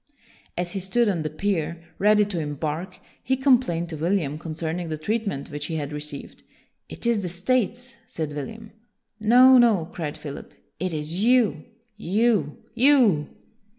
As he stood on the pier, ready to embark, he complained to William concerning the treatment which he had received. " It is the States," said William. " No, no!" cried Philip. "It is you, you, you!